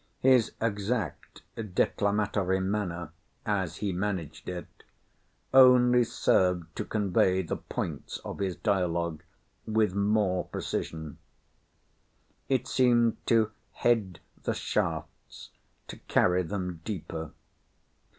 His exact declamatory manner, as he managed it, only served to convey the points of his dialogue with more precision. It seemed to head the shafts to carry them deeper.